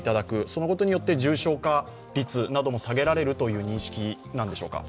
そのことによって重症化率も下げられるという認識なんでしょうか？